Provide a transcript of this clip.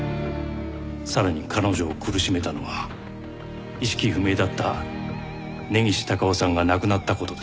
さらに彼女を苦しめたのは意識不明だった根岸隆雄さんが亡くなった事です。